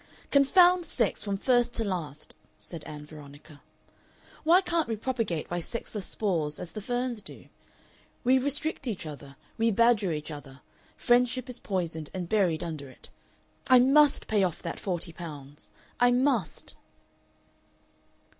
"Confound sex from first to last!" said Ann Veronica. "Why can't we propagate by sexless spores, as the ferns do? We restrict each other, we badger each other, friendship is poisoned and buried under it!... I MUST pay off that forty pounds. I MUST."